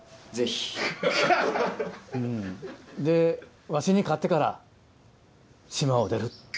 でわしに勝ってから島を出る。